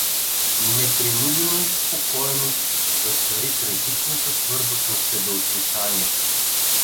Непринудено и спокойно зацари трагичната твърдост на себеотрицанието.